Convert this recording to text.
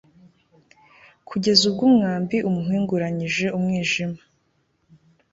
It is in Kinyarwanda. kugeza ubwo umwambi umuhinguranije umwijima